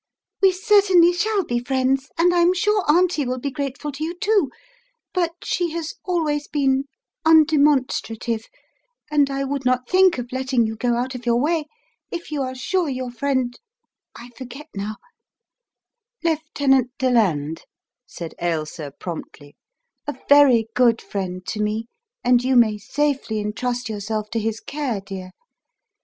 "We certainly shall be friends, and I am sure Auntie will be grateful to you, too, but she has always been undemonstrative, and I would not think of letting you go out of your way, if you are sure your friend, I forget now " "Lieutenant Deland," said Ailsa, promptly, "a very good friend to me, and you may safely entrust yourself to his care, dear.